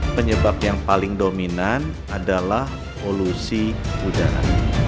penyebab yang paling dominan adalah polusi udara